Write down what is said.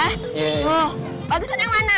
tuh bagusan yang mana